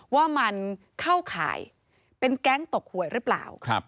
ว่ามันเข้าข่ายเป็นแก๊งตกหวยหรือเปล่า